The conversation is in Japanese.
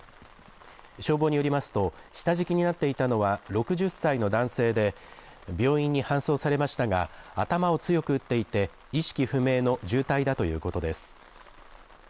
消防によりますと下敷きになっていたのは６０歳の男性で病院に搬送されましたが頭を強く打っていて意識不明の重体だということです。